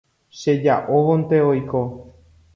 cheja'óvonte oiko